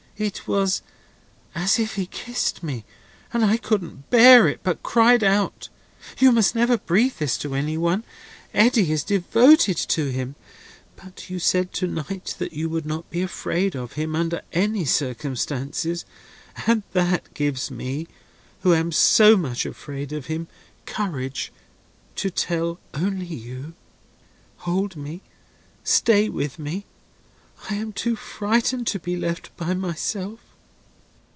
It was as if he kissed me, and I couldn't bear it, but cried out. You must never breathe this to any one. Eddy is devoted to him. But you said to night that you would not be afraid of him, under any circumstances, and that gives me—who am so much afraid of him—courage to tell only you. Hold me! Stay with me! I am too frightened to be left by myself."